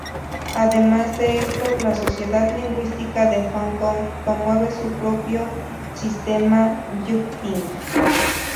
Además de esto, la Sociedad Lingüística de Hong Kong promueve su propio sistema Jyutping.